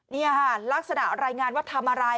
นี่ค่ะลักษณะรายงานว่าทำอะไร